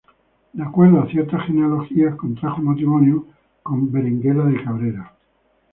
De acuerdo a ciertas genealogías, contrajo matrimonio con Berenguela de Cabrera.